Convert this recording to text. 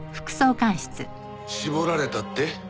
絞られたって？